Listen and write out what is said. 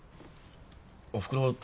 おふくろ